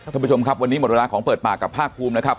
ท่านผู้ชมครับวันนี้หมดเวลาของเปิดปากกับภาคภูมินะครับ